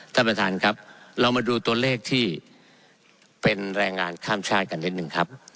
ท่านประธานครับเรามาดูตัวเลขที่เป็นแรงงานข้ามชาติกันนิดหนึ่งครับ